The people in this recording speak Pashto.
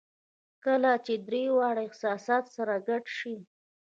کله چې درې واړه احساسات سره ګډ شي